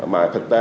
mà thực tế